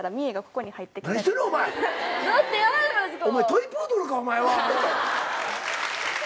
トイ・プードルかお前は。